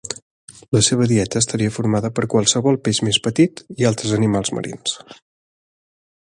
La seva dieta estaria formada per qualsevol peix més petit i altres animals marins